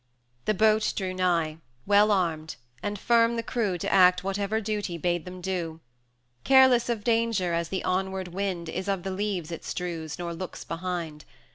280 XII. The boat drew nigh, well armed, and firm the crew To act whatever Duty bade them do; Careless of danger, as the onward wind Is of the leaves it strews, nor looks behind.